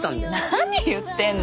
何言ってんのよ。